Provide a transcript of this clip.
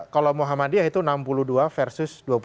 kalau muhammadiyah itu enam puluh dua versus dua puluh enam